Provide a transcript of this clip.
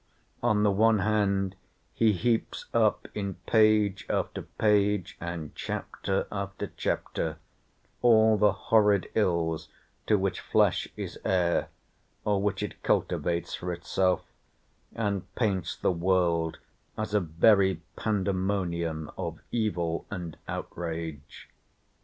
On the one hand he heaps up, in page after page and chapter after chapter, all the horrid ills to which flesh is heir, or which it cultivates for itself, and paints the world as a very pandemonium of evil and outrage.